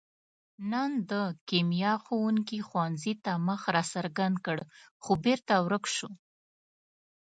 نن د کیمیا ښوونګي ښوونځي ته مخ را څرګند کړ، خو بېرته ورک شو.